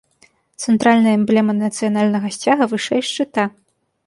Цэнтральная эмблема нацыянальнага сцяга вышэй шчыта.